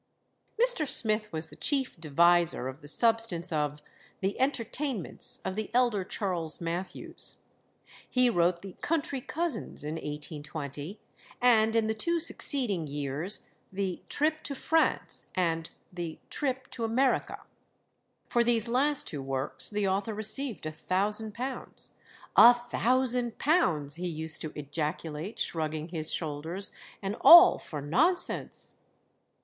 Mr. Smith was the chief deviser of the substance of the Entertainments of the elder Charles Mathews. He wrote the Country Cousins in 1820, and in the two succeeding years the Trip to France and the Trip to America. For these last two works the author received a thousand pounds. "A thousand pounds!" he used to ejaculate, shrugging his shoulders, "and all for nonsense."